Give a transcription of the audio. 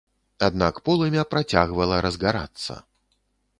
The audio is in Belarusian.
Аднак полымя працягвала разгарацца.